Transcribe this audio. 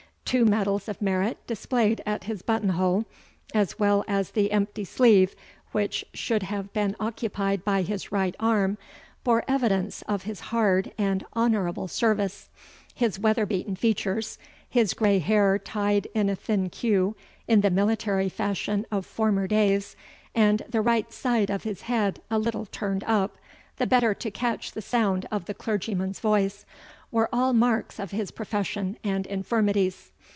Two medals of merit displayed at his button hole, as well as the empty sleeve which should have been occupied by his right arm, bore evidence of his hard and honourable service. His weatherbeaten features, his grey hair tied in a thin queue in the military fashion of former days, and the right side of his head a little turned up, the better to catch the sound of the clergyman's voice, were all marks of his profession and infirmities.